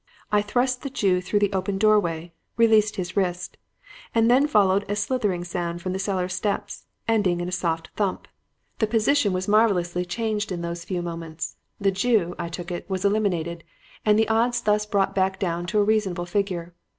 I thrust the Jew through the open doorway, released his wrist; and then followed a slithering sound from the cellar steps, ending in a soft thump. "The position was marvelously changed in those few moments. The Jew, I took it, was eliminated, and the odds thus brought down to a reasonable figure.